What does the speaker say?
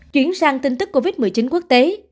chuyển sang tin tức covid một mươi chín quốc tế